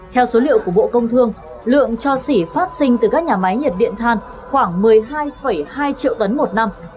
theo số liệu của bộ công thương lượng cho xỉ phát sinh từ các nhà máy nhiệt điện than khoảng một mươi hai hai triệu tấn một năm